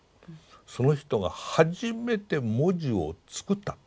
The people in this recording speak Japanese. その人が初めて文字を作った。